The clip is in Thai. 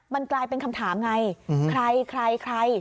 มันกลายเป็นคำถามไงใครใคร